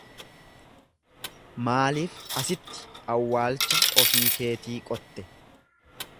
Maaliif asitti awwaalcha ofii keetii qotte?